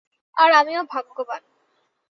আর আমিও ভাগ্যবান।